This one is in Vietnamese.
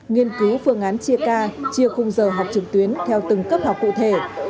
nghiên cứu phương án chia ca chia khung giờ học trực tuyến theo từng cấp học cụ thể